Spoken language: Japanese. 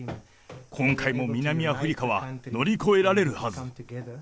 今回も南アフリカは乗り越えられるはず。